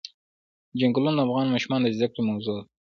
چنګلونه د افغان ماشومانو د زده کړې موضوع ده.